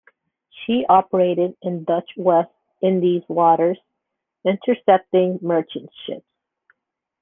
She operated in Dutch West Indies waters, intercepting merchant ships.